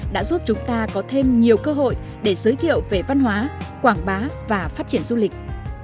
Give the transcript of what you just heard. đã giúp chúng ta có thêm nhiều cơ hội để giới thiệu về văn hóa quảng bá và phát triển du lịch